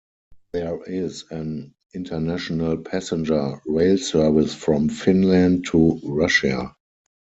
There is an international passenger rail service from Finland to Russia.